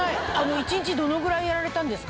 一日どのぐらいやられたんですか？